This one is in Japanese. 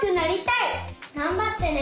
がんばってね！